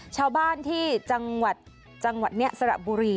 ชาวบ้านที่จังหวัดจังหวัดนี่สระบุรี